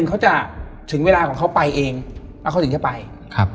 อ่าใช่ครับ